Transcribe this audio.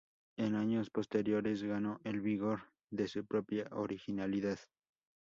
En años posteriores ganó el vigor de su propia originalidad.